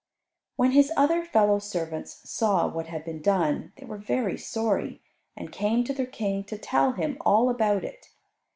When his other fellow servants saw what had been done they were very sorry, and came to their King to tell him all about it.